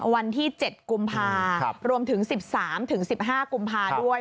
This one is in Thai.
วันที่๗กุมภารวมถึง๑๓๑๕กุมภาด้วย